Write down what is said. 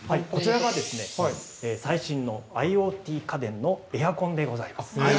こちらが、最新のＩｏＴ家電のエアコンでございます。